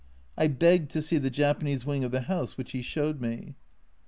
I begged to see the Japanese wing of the house, which he showed me.